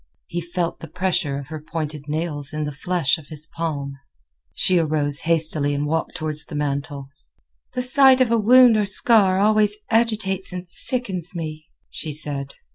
He felt the pressure of her pointed nails in the flesh of his palm. She arose hastily and walked toward the mantel. "The sight of a wound or scar always agitates and sickens me," she said.